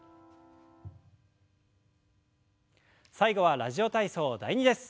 最後は「ラジオ体操第２」です。